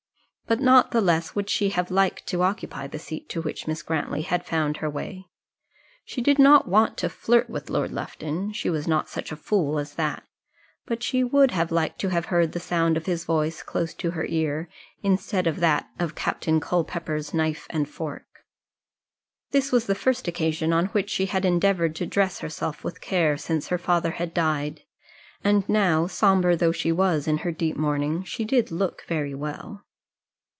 But not the less would she have liked to occupy the seat to which Miss Grantly had found her way. She did not want to flirt with Lord Lufton; she was not such a fool as that; but she would have liked to have heard the sound of his voice close to her ear, instead of that of Captain Culpepper's knife and fork. This was the first occasion on which she had endeavoured to dress herself with care since her father had died; and now, sombre though she was in her deep mourning, she did look very well.